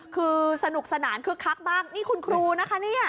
คือสนุกสนานคึกคักมากนี่คุณครูนะคะเนี่ย